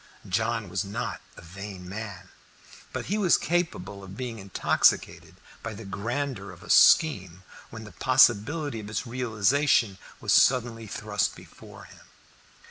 John was not a vain man, but he was capable of being intoxicated by the grandeur of a scheme when the possibility of its realization was suddenly thrust before him.